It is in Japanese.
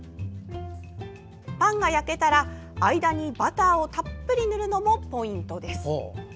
パンが焼けたら、間にバターをたっぷり塗るのもポイントです。